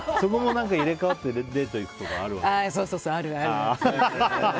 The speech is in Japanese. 入れ替わってデート行くとかあるわけね。